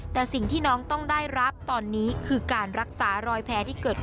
แต่สิ่งที่น้องต้องได้รับตอนนี้คือการรักษารอยแพ้ที่เกิดขึ้น